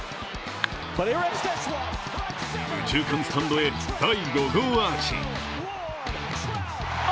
右中間スタンドへ、第５号アーチ。